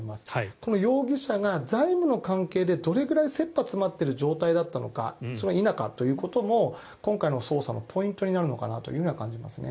この容疑者が財務の関係でどれくらい切羽詰まっている状態なのか否かということも今回の捜査のポイントになると思いますね。